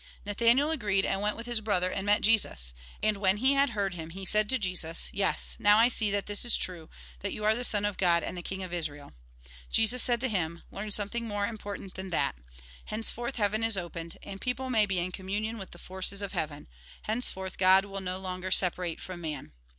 Nathanael agreed, and went with his brother, and met Jesus ; and, when he had heard him, he said to Jesus :" Yes, now I see that this is true, that you are the Son of God and the king of Israel." Jesus said to him :" Learn something more im portant than that. Henceforth heaven is opened, and people may be in communion with the forces of heaven. Henceforth God will be no longer separate from men."